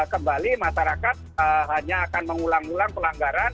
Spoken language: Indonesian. kembali masyarakat hanya akan mengulang ulang pelanggaran